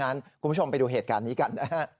คุณผู้ชมไปดูเหตุการณ์นี้กันนะฮะ